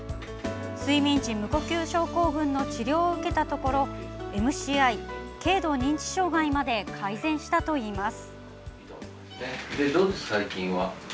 睡眠時無呼吸症候群の治療を受けたところＭＣＩ＝軽度認知障害まで改善したといいます。